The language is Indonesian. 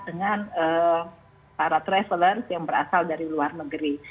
dengan para traveler yang berasal dari luar negeri